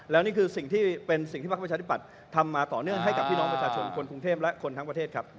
แล้วนี่คือสิ่งที่เป็นสิ่งที่พักประชาธิปัตย์ทำมาต่อเนื่องให้กับพี่น้องประชาชนคนกรุงเทพและคนทั้งประเทศครับ